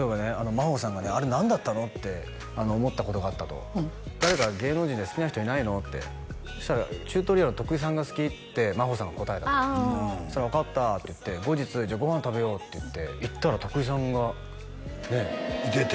真帆さんがねあれ何だったの？って思ったことがあったと「誰か芸能人で好きな人いないの？」ってそしたら「チュートリアル徳井さんが好き」って真帆さんが答えたとそしたら「分かった」って言って「後日じゃあご飯食べよう」って言って行ったら徳井さんがねいてて？